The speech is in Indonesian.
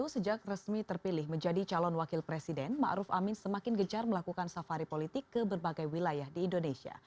sejak resmi terpilih menjadi calon wakil presiden ma'ruf amin semakin gejar melakukan safari politik ke berbagai wilayah di indonesia